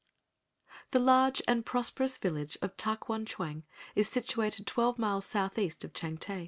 * The large and prosperous village of Ta kwan chwang is situated twelve miles southeast of Changte.